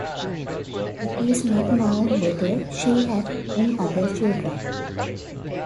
It is not known whether she had any other children.